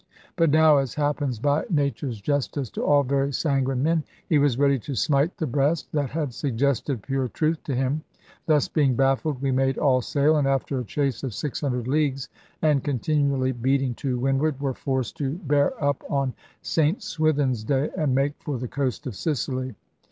But now (as happens by Nature's justice to all very sanguine men) he was ready to smite the breast that had suggested pure truth to him. Thus being baffled we made all sail, and after a chase of six hundred leagues, and continually beating to windward, were forced to bear up on St Swithin's Day and make for the coast of Sicily.